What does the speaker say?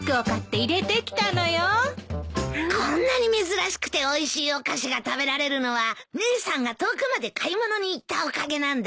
こんなに珍しくておいしいお菓子が食べられるのは姉さんが遠くまで買い物に行ったおかげなんだよ。